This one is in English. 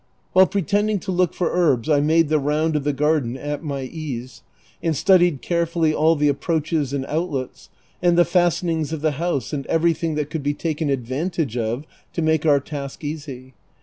While pretending to look for herbs I made the round of the garden at my ease, and studied carefully all the ajDproaches and outlets, and the fastenings of the house and everything that could be taken advan tage of to make our task easy.